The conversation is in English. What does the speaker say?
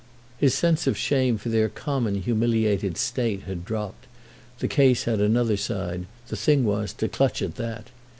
His sense of shame for their common humiliated state had dropped; the case had another side—the thing was to clutch at that.